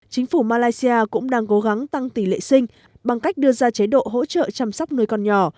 chính phủ malaysia cũng đang cố gắng tăng tỷ lệ sinh bằng cách đưa ra chế độ hỗ trợ chăm sóc nuôi con nhỏ